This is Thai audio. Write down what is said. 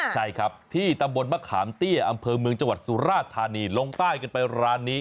ใช่ครับที่ตำบลมะขามเตี้ยอำเภอเมืองจังหวัดสุราธานีลงใต้กันไปร้านนี้